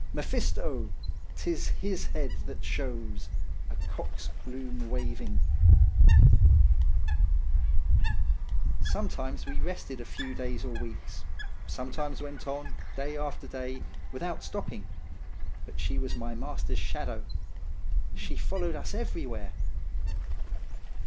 Mephisto ! 'T is his head that shows A cock's plume waving ! Sometimes we rested a few days or weeks, sometimes went on, day after day, without stopping, but she was my master's shadow; she followed us everywhere.